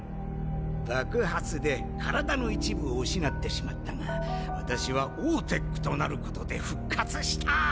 爆発で体の一部を失ってしまったが私はオーテックとなることで復活した！